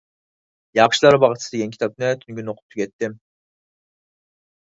«ياخشىلار باغچىسى» دېگەن كىتابنى تۈنۈگۈن ئوقۇپ تۈگەتتىم.